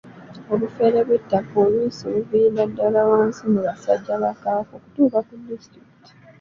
Obufere bw'ettaka oluusi buviira ddala wansi mu basajja ba Kabaka okutuuka ku disitulikiti.